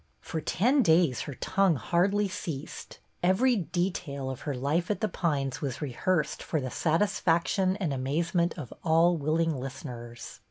For ten days her tongue hardly ceased. Every detail of her life at The Pines was rehearsed for the satisfaction and amaze ment of all willing listeners.